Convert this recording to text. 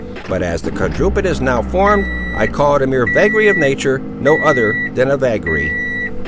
But, as the quadruped is now formed, I call it a mere vagary of nature; no other than a vagary."